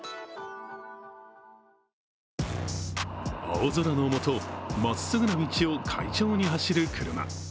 青空のもと、真っすぐな道を快調に走る車。